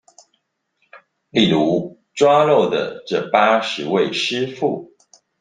例如抓漏的這八十位師傅